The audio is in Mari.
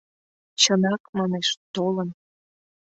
— Чынак, манеш, толын...